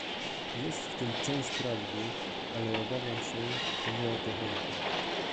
Jest w tym część prawdy, ale obawiam się, że nie o to chodzi